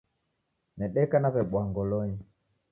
Nedeka naw'eboa ngolonyi